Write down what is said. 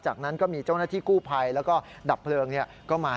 จากนั้นก็มีเจ้าหน้าที่กู้ภัยแล้วก็ดับเพลิงก็มา